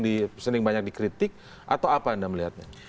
disening banyak dikritik atau apa anda melihatnya